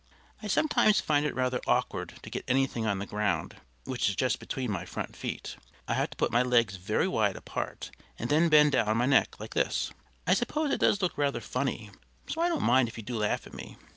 I sometimes find it rather awkward to get anything on the ground, which is just between my front feet; I have to put my legs very wide apart, and then bend down my neck, like this. I suppose it does look rather funny, so I don't mind if you do laugh at me.